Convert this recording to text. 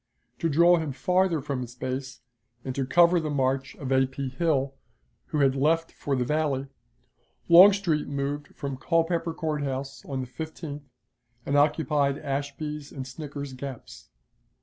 To draw him farther from his base, and to cover the march of A. P. Hill, who had left for the Valley, Longstreet moved from Culpeper Court House on the 15th, and occupied Ashby's and Snicker's Gaps.